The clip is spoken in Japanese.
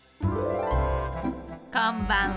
こんばんは。